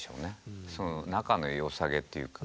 仲のよさげっていうか